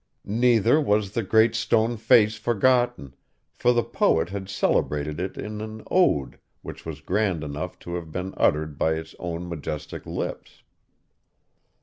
Neither was the Great Stone Face forgotten, for the poet had celebrated it in an ode, which was grand enough to have been uttered by its own majestic lips.